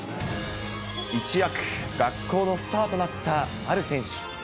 一躍、学校のスターとなった丸選手。